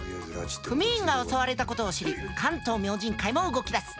組員が襲われたことを知り関東明神会も動きだす。